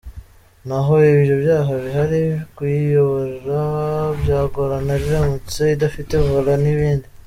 N’aho ibyo byaba bihari, kuyiyobora byagorana iramutse idafite Volant n’ibindi.